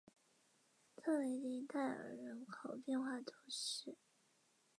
特雷迪代尔人口变化图示